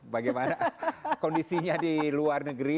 bagaimana kondisinya di luar negeri